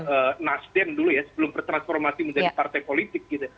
dari nasdem dulu ya sebelum bertransformasi menjadi partai politik gitu